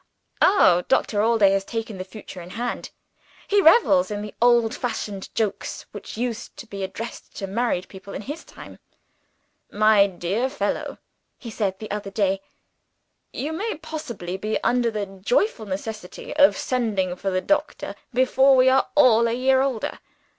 "Oh, Doctor Allday has taken the future in hand! He revels in the old fashioned jokes, which used to be addressed to newly married people, in his time. 'My dear fellow,' he said the other day, 'you may possibly be under a joyful necessity of sending for the doctor, before we are all a year older.